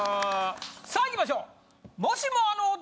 さあいきましょう。